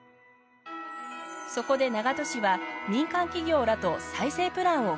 そこで長門市は民間企業らと再生プランを計画。